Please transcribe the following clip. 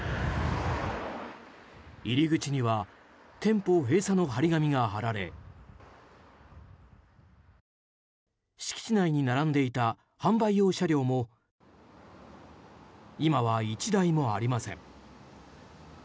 入り口には店舗閉鎖の貼り紙が貼られ敷地内に並んでいた販売用車両も今は１台もありません。